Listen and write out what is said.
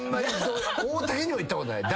大竹にも言ったことない。